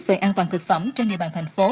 về an toàn thực phẩm trên địa bàn thành phố